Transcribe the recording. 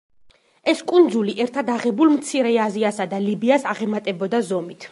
ეს კუნძული ერთად აღებულ მცირე აზიასა და ლიბიას აღემატებოდა ზომით.